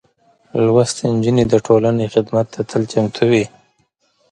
لوستې نجونې د ټولنې خدمت ته تل چمتو وي.